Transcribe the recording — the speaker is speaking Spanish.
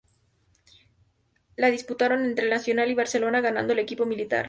La disputaron entre El Nacional y Barcelona, ganando el equipo militar.